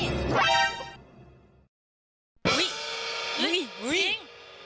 จริง